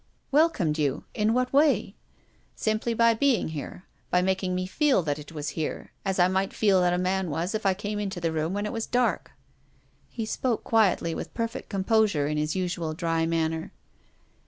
" Welcomed you ! In what way ?"" Simply by being here, by making me feel that it is here, as I might feel that a man was if I came into the room when it was dark." He spoke quietly, with perfect composure in his usual dry manner.